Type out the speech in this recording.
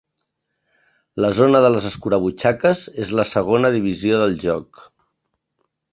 La zona de les escurabutxaques és la segona divisió del joc.